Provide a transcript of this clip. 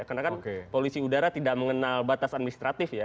karena kan polusi udara tidak mengenal batas administratif ya